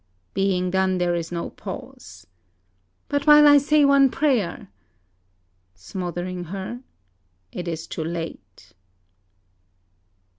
OTH. Being done, there is no pause. DES. But while I say one prayer! OTH. (smothering her.) It is too late.